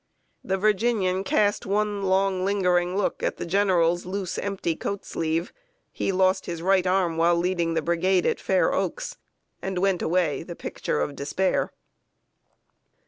The Virginian cast one long, lingering look at the General's loose, empty coat sleeve (he lost his right arm while leading his brigade at Fair Oaks), and went away, the picture of despair.